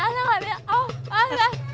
nanda jangan berbicara